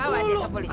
nah bawa dia ke polisi